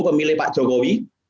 pemilih pak jokowi